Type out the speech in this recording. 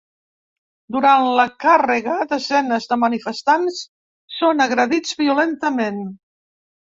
Durant la càrrega desenes de manifestants són agredits violentament.